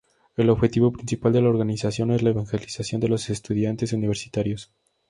El objetivo principal de la organización es la evangelización de los estudiantes universitarios.